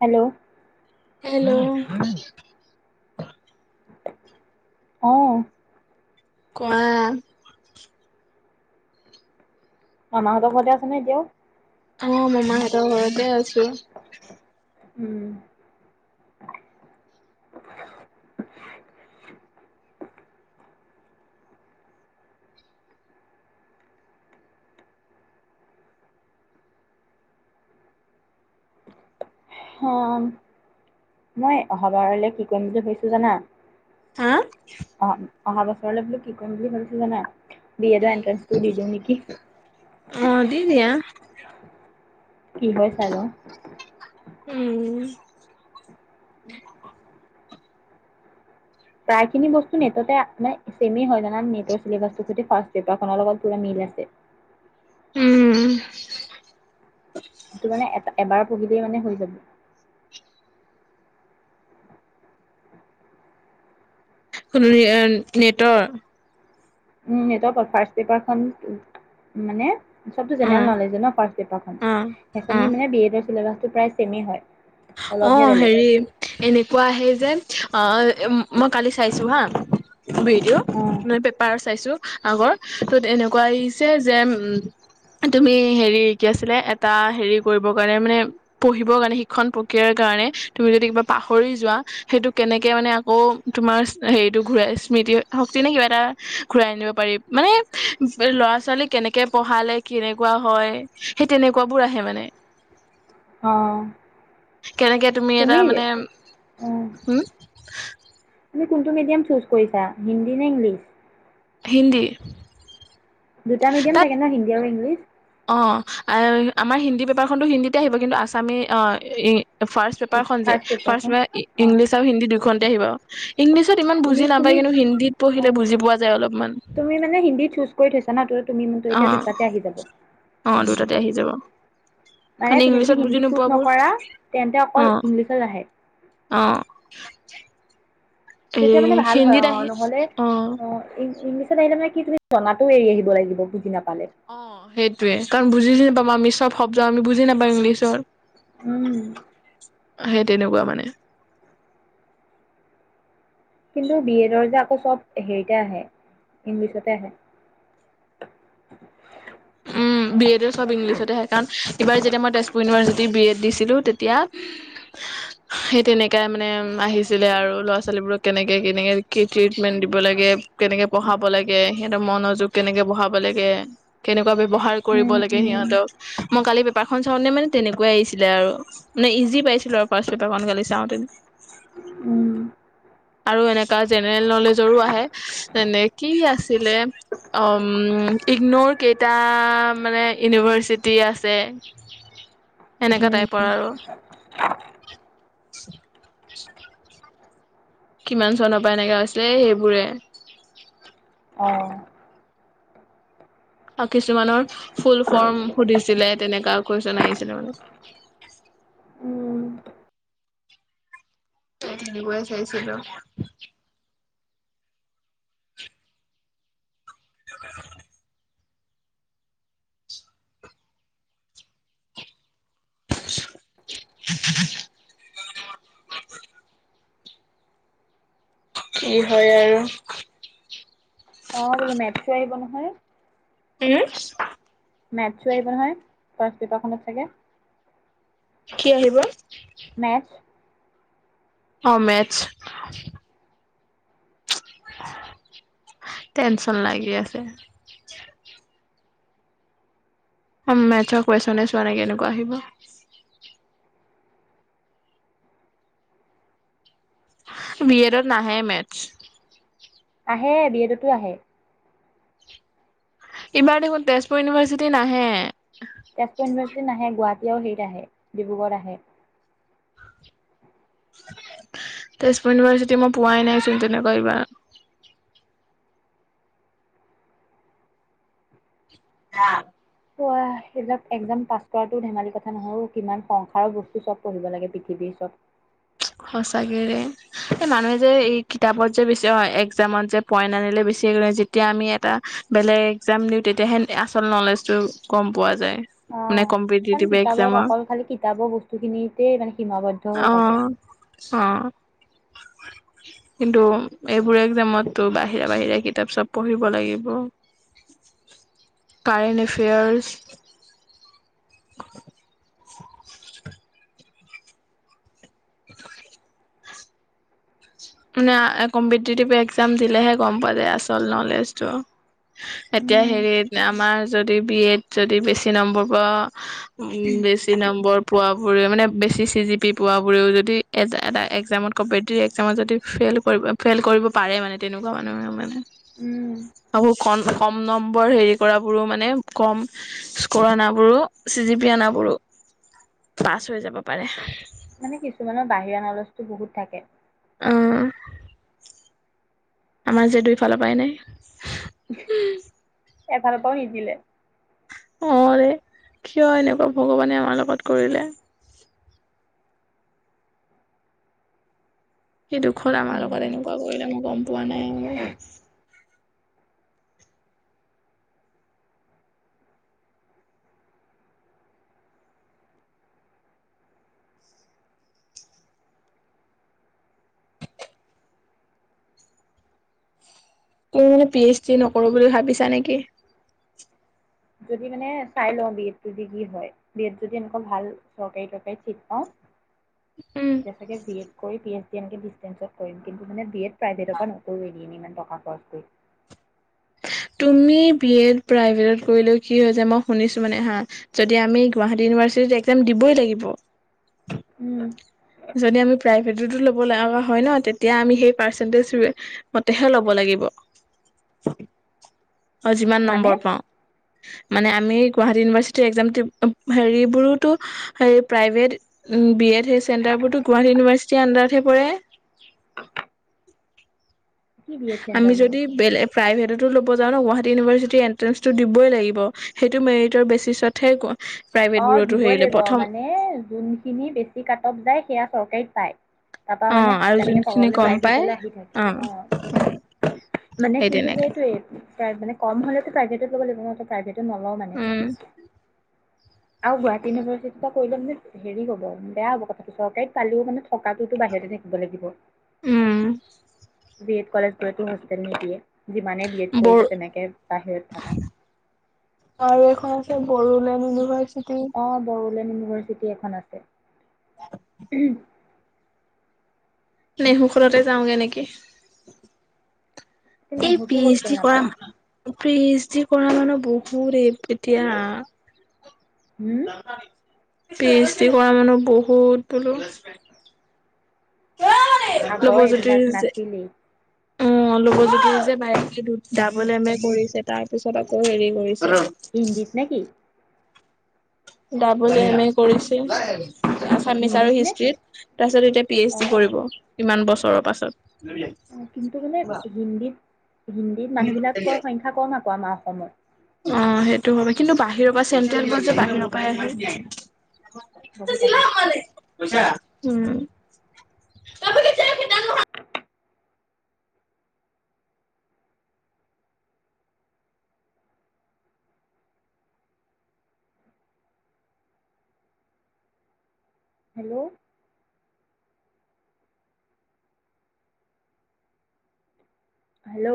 Hello, hello, অহ ', কোৱা? মামাহঁতৰ ঘৰতে আছা নে এতিয়াও? অহ', মামাহতঁৰ ঘৰতে আছো। উম', [inaudible] হম মই অহাবাৰলে কি কৰিম বুলি ভাবিছোঁ জানা? হা অ'। অহা বছৰলৈ বোলো কি কৰিম বুলি ভাবিছোঁ জানা। বি কি? এডৰ এণ্ট্ৰেঞ্চটো দি দিওঁ নেকি? অ', দি দিয়া। কি হয় চাই ল‌ওঁ। উম। প্ৰায় খিনি বস্তু নেটতে আছে চেমেই হয় জানানে, নেটৰ চিলেবাছটোৰ সৈতে ফাৰ্ষ্ট পেপাৰখনৰ লগত পুৰা মিল আছে। উম। সেইটো মানে এটা এবাৰত। পঢ়িলেই মানে হৈ যাব। কোনো নেটৰ? উম নেটৰ ফাৰ্ষ্ট পেপাৰখন মানে। চবতো অ জেনেৰেল ন'লেজে ন' ফাৰ্ষ্ট পেপাৰখন অ অ সেইখনি মানে বি এডৰ চিলেবাচ। দুটাই চে মেই হয়। অলপহে অ', বেলেগ হেৰিত এনেকুৱা আহে যে। অ', মই কালি চাইছো হা। ভিডিঅ' নহয় পেপাৰ চাইছোঁ। আগৰ তত এনেকুৱা আহিছে যে উম তুমি হেৰি কি আছিলে এটা হেৰি কৰিবৰ কাৰণে মানে পঢ়িবৰ কাৰণে শিক। শিক্ষণ প্ৰক্ৰিয়াৰ কাৰণে তুমি যদি কিবা পাহৰি যোৱা, সেইটো কেনেকে মানে আকৌ তোমাৰ হেৰিটো ঘূৰাই স্মৃতি শক্তি নে কিবা এটা ঘূৰাই আনিব পাৰি নে। মানে, ল'ৰা-ছোৱালী কেনেকে পঢ়ালে কেনেকুৱা হয়, সেই তেনেকুৱাবোৰ আহে মানে। অ অ কেনেকে? তুমি এটা মানে। অ', হুম। তুমি কোনটো মিডিয়াম চুজ কৰিছা হিন্দী নে ইংলিছ? হিন্দী। দুটা মিডিয়াম তাত থাকে ন' হিন্দী আৰু ইংলিছ? অ আমাৰ হিন্দী পেপাৰখনতো হিন্দীতে আহিব কিন্তু আছামী অ এ ফাৰ্ষ্ট পেপাৰ খন যে ফাৰ্ষ্ট এ অ', ইংলিছ আৰু হিন্দী কনতে আহিব ইংলিছত ইমান তুমি বুজি তুমি নাপায় কিন্তু হিন্দীত পঢ়িলে অ', বুজি পোৱা যায় অলপমান তুমি মানে হিন্দী চুজ কৰি থৈছা ন তো তুমি ম অ এতিয়া দুটাতে আহি যাব অ উম দুটাতে আহি যাব মানে কাৰণ তুমি যদি ইংলিছত বুজি হিন্দী চুজ নোপোৱাবোৰ নকৰা তেন্তে অ অকল ইংলিছত আহে অ হেৰি তেতিয়া মানে ভাল হয় হিন্দীত অ আহি নহ'লে অ ইংলিছত আহিলে মানে কি তুমি জনাতো এৰি আহিব লাগিব বুজি নাপা অ সেইটোয়ে কাৰণ বুজি চু নাপাব আমি চব শব্দ আমি বুজি নাপাওঁ ইংলিছত উম, সেই তেনেকুৱা মানে, কিন্তু বি-এডৰ যে আকৌ চব হেৰিতে আহে, ইংলিছতে আহে। উম, বি -এডো চব ইংলিছতহে হয় কাৰণ এইবাৰ যেতিয়া মই তেজপুৰ ইউনিভাৰ্চিটিৰ বি - এড, দিছিলো তেতিয়া সেই তেনেকাই মানে আহিছিলে আৰু ল'ৰা ছোৱালীবোৰক কেনেকে- কেনেকে কি ট্ৰিটমেণ্ট দিব লাগে, কেনেকে পঢ়াব লাগে সিহঁতৰ মনোযোগ কেনেকে বঢ়াব লাগে।, কেনেকুৱা ব্যৱহাৰ কৰিব উম, লাগে উম, সিহঁতক, মই কালি, পেপাৰ খন চাওঁতে মানে তেনেকুৱাই আহিছিলে আৰু মানে ইজি পাইছিলো আৰু ফাষ্ট পেপাৰখন মেলি চাওঁতে, উম। আৰু এনেকুৱা জেনেৰেল নলেজৰো আহে যেনে কি আছিলে ইগনৰ কেইটা মানে ইউনিভাৰ্চিটি আছে এনেকা উম, টাইপৰ আৰু, [unintelligible] কিমান চণৰ পৰা এনেকা হৈছিলে এই সেইবোৰে। অহ, কিছুমানৰ ফুল -ফৰ্ম সুধিছিলে, তেনেকা কুৱেশন আহিছিল মানে। অ', [unintelligible] [unintelligible] [unintelligible] এই হয় আৰু অ', বোলো মেটচো আহিব নহয়? উম,? মেটছো আহিব নহয়? ফাৰ্ষ্ট পেপাৰখনত থাকে। কি আহিব? মেথছ অ', মেটচ টেনচন লাগি আছে। অ, ' মেটছৰ কুৱেছনে চোৱা নাই কেনেকুৱা আহিব। বি -এডট নাহে মেটচ । আহে বিয়েডতো আহে। এইবাৰ দেখোন তেজপুৰ ইউনিভাৰ্চিটি নাহে। তেজপুৰ ইউনিভাৰ্চি নাহে গুৱাহ, এতিয়াও হেৰিট আহে ডিব্ৰুগড় আহে। তেজপুৰ ইউনিভাৰ্চিটি মই পোৱাই নাইচোন তেনেকুৱা এইবাৰ, আঃ পোৱা সেইবিলাক এক্জাম পাছ কৰাটো ধেমালি কথা নহয়, কিমান সংসাৰৰ বস্তু চব পঢ়িব লাগে পৃথিৱীৰ চব। সচাকেৰে এই মানুহে যে, এই কিতাপত যে বেছি একজামত যে পইণ্ট আনিলে বেছি যেতিয়া আমি এটা বেলেগ একজাম দিওঁ, তেতিয়াহে আচল নলেজটো গম পোৱা যায়। মানে অ', কাৰণ কম্পিটিটিভ কিতাপত এক্জামৰ অকল খালি কিতাপৰ বস্তুখিনিতেই মানে সীমাবদ্ধ অ হৈ থাকে। অ ', কিন্তু এইবোৰ একজামতটো বাহিৰা- -বাহিৰা কিতাপ চব পঢ়িব লাগিব কাৰেন্ট এফেয়াৰ্চ [inaudible] কম্পিতিতিভ একজাম দিলেহে গম পোৱা যায় আচল নলেজটো। এতিয়া উম, হেৰিত বিএডট যদি বেছি নম্বৰ পাও, বেছি নম্বৰ পোৱা বোৰে মানে বেছি চি - জি-পি পোৱা বোৰেও যদি এটা একজামত কম্পেতেটিভ একজামত যদি, ফেইল কৰিব, ফেইল কৰিব পাৰে মানে তেনেকুৱা মানুহে মানে উম, বহুত কম -কম নম্বৰ হেৰি কৰাবোৰো মানে কম -স্কৰ আনাবোৰো চি জি পি আনাবোৰো পাছ হৈ যাব পাৰে। মানে কিছুমানৰ বাহিৰা নলেজটো বহুত থাকে। অ আমাৰ যে দুইফালৰ পৰাই নাই। এফালৰ পৰাও নিদিলে! অ ৰে কিয় এনেকুৱা ভগৱানে আমাৰ লগত কৰিলে। সেই দুখৰ আমাৰ লগৰ উম। এনেকুৱা কৰিলে মই গম পোৱা নাই তেওঁ মানে পি এইচ ডি নকৰো বুলি ভাবিছা নেকি? যদি মানে চাই লওঁ বি এডটো ডিগ্ৰী হয় বি এড যদি এনেকুৱা ভাল চৰকাৰী দৰকাৰীত ছিট পাওঁ উম, তেতিয়া চাগে বি এড কৰি পি এইচ ডি এনেকে ডিচষ্টেঞ্চত কৰিম কিন্তু মানে বি এড প্ৰাইভেটৰ পৰা নকৰোঁ এদিন ইমান টকা খৰচ কৰি। তুমি বিএড প্ৰইভিটত কি মই শুনিছো মানে হা যদি আমি গগুৱাহাটী ইউনিভাৰ্চিটি দিবই লাগিব? উম যদি আমি প্ৰায সেইটো ল'ব আমাৰ হয় ন তেতিয়া আমি সেই পাৰন্টেট ৰমতে লব লাগিব অ যিমান মানে নম্বৰ পাওঁ। মানে আমি গুৱাহাটী ইউনিভাৰ্চিটিৰ একয়াম হেৰিবোৰোতো প্ৰাইভেট বিএড সই চেণ্টাৰবোৰো গুৱাহাটী ইউনিভাৰ্চিটিৰ আডাৰতহে পৰে! কি দিয়ে আমি চেণ্টাৰবোৰ যদি বেলেগ প্ৰাইভেটতো ল'ব যাওঁ ন গুৱাহাটী ইউনিভাৰ্চিটিৰ এণ্ট্ৰেঞ্চটো দিবই লাগিব সেইটো মেৰিটৰ বেচিছতহে অ প্ৰাইভেটবোৰতো দিবই হেৰিলে লাগিব প্ৰথম মানে যোনখিনি বেছি কাট অফ যায় সেয়া চৰকাৰীত পাই। তাৰপা অ মানে আৰু তেনেকে যোনখিনি তললে গম প্ৰাই পাই ভেটলৈ আহি থাকে অ মানে সেই কিন্তু তেনেকে সেইটোৱেই পাৰচেন্টি কম হলেতো প্ৰইভেত লব লাগিব নহ! নলওঁ মানে? উম আৰু গুৱাহাটী ইউনিভাৰ্চিটি কৰিলে মানে হেৰি হ'ব বেয়া হ'ব কথাটো চৰকাৰীত পালেও মানে থকাটোতো বাহিৰতে থাকিব লাগিব। উম বি এড কলেজ গলে তো হোষ্টেল নিদিয়ে! যিমানেই বি এড বৰ কৰিছে তেনেকে বাহিৰত থকা আৰু এখন আছে বড়োলেণ্ড ইউনিভাৰ্চিট, ডিব্ৰুগড় ইউনিভাৰ্চিটি এখন আছে। নে হওনতে যাওঁগে নেকি? কিন্তু এই নেহৰুতো পি এইচ হোষ্টেল ডি কৰা নাপায় ফিচ যিকোনো মানুহ বহুত এই এতিয়া হম পি এইচ ডি কৰা মানুহ বহুত বোলো আগৰ এইবিলাক যে নাছিলেই উ লৱজ্যোতিৰ যে বায়ে দাবোল এম এ কৰিছে তাৰ পিছত আকৌ হেৰি কৰিছে হিন্দীত নেকি ডাবোল এম এ কৰিছিল আছামিচ হিন্দীত আৰু নে হিষ্ট্ৰত তাৰ পিছত এতিয়া পি এইচ অ ডি অ কৰিব কিমান বছৰ তৰৰ পাছত অ কিন্তু মানে হিন্দীত, হিন্দীত মানুহ বিলাকৰ সংখ্যা কম আক আমাৰ অসমত অ সেইটো হয়। কিন্তু, বাহিৰৰ পৰা চেণ্ট্ৰেল বছ যে বাহিৰৰ পৰাহে আহে। বহুত আহে। [unintelligible] Hello hello